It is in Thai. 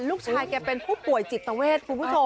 ลูกชายแกเป็นผู้ป่วยจิตเวท